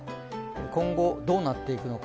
今後どうなっていくのか。